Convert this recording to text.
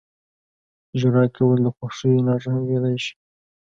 • ژړا کول د خوښۍ نښه هم کېدای شي.